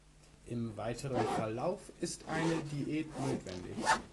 Im weiteren Verlauf ist eine Diät notwendig.